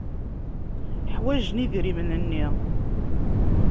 Ḥwajen idrimen-nni.